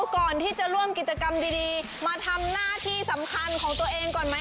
ก่อนที่จะร่วมกิจกรรมดีมาทำหน้าที่สำคัญของตัวเองก่อนไหม